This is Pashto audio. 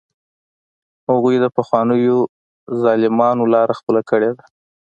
هغوی د پخوانیو ظالمانو لاره خپله کړې ده.